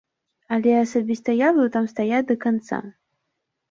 Але асабіста я буду там стаяць да канца.